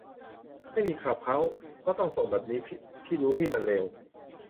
ไม่มีคลับเฮาส์ ก็ต้องส่งแบบนี้ พี่รู้พี่มันเลว